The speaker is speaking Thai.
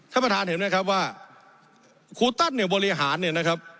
ท่านประธานเห็นไหมครับว่าครูตั้นเนี่ยบริหารเนี่ยนะครับ